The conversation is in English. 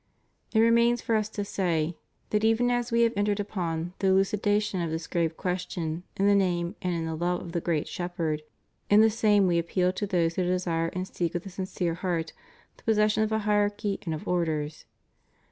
It remains for Us to say that even as We have entered upon the elucidation of this grave question in the name and in the love of the Great Shepherd, in the same We appeal to those who desire and seek with a sincere heart the possession of a hierarchy and of Orders.